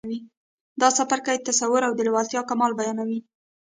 دا څپرکی تصور او د لېوالتیا کمال بيانوي.